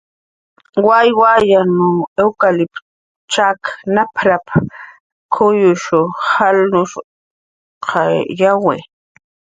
"Wawyaq iwkatliptun chak nap""rap"" kuyyush jalnuqayawi"